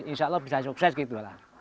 insya allah bisa sukses gitu lah